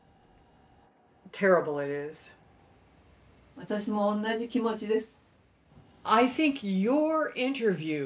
私も同じ気持ちです。